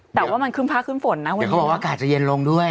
แต่ว่ามันขึ้นภาคขึ้นฝนนะวันนี้เขาบอกว่าอากาศจะเย็นลงด้วย